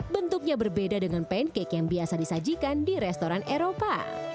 bentuknya berbeda dengan pancake yang biasa disajikan di restoran eropa